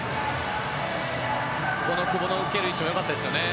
久保の受ける位置も良かったですね。